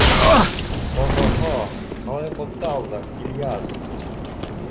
— Оһо-һо, ҡалай ҡотто алдың, Ильяс!